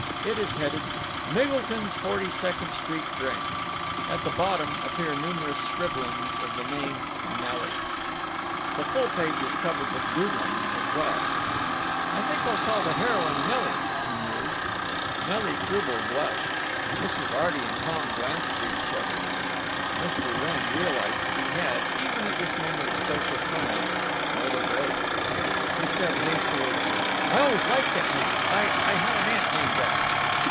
It is headed, "Miggleton's Forty second Street Branch." At the bottom appear numerous scribblings of the name Nelly. "I think I'll call the heroine 'Nelly,'" he mused. Nelly Croubel blushed. Mrs. Arty and Tom glanced at each other. Mr. Wrenn realized that he had, even at this moment of social triumph, "made a break." He said, hastily; "I always liked that name. I—I had an aunt named that!"